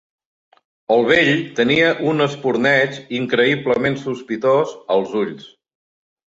El vell tenia un espurneig increïblement sospitós als ulls.